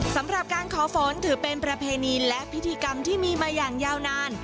สำหรับการขอฝนถือเป็นประเพณีและพิธีกรรมที่มีมาอย่างยาวนาน